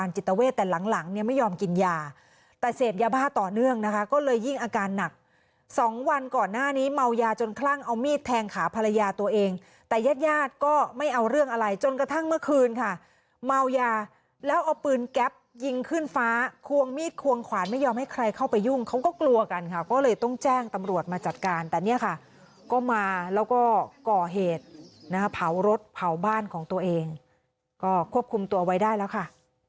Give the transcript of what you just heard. แจ้งตำรวจมาควบคุมตัวค่ะ